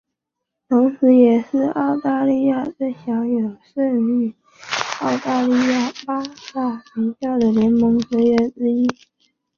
同时也是澳大利亚最享有盛誉的澳大利亚八大名校的联盟成员之一。